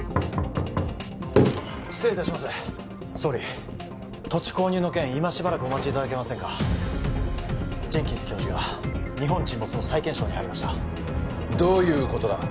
失礼いたします総理土地購入の件今しばらくお待ちいただけませんかジェンキンス教授が日本沈没の再検証に入りましたどういうことだ？